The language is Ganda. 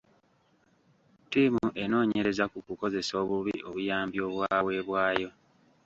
Ttiimu enoonyereza ku kukozesa obubi obuyambi obwaweebwayo.